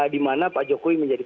di mana pak jokowi menjadi